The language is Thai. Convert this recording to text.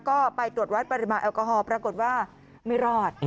ก็ไปตรวจวัดปริมาณแอลกอฮอล์ปรากฏว่าไม่รอด